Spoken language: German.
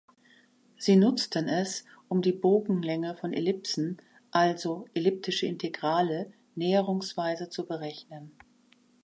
Sie nutzten es, um die Bogenlänge von Ellipsen, also elliptische Integrale, näherungsweise zu berechnen.